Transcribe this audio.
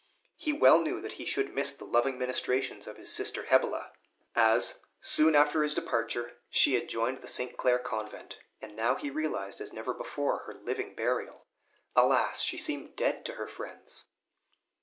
He well knew that he should miss the loving ministrations of his sister Hebele, as, soon after his departure, she had joined the St. Claire Convent; and now he realized as never before, her living burial. Alas! she seemed dead to her friends.